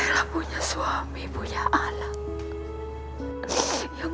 ibu titip nayla ya